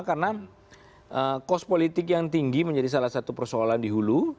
karena kos politik yang tinggi menjadi salah satu persoalan di hulu